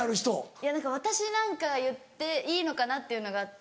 いや私なんかが言っていいのかなっていうのがあって。